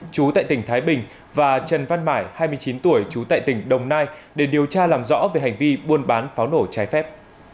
chú tại tỉnh thái bình và trần văn mải hai mươi chín tuổi trú tại tỉnh đồng nai để điều tra làm rõ về hành vi buôn bán pháo nổ trái phép